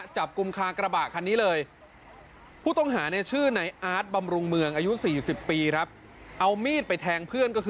จอดข้างทางเลยละกัน